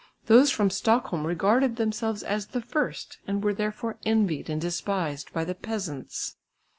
Those from Stockholm regarded themselves as the first and were therefore envied and despised by the "peasants."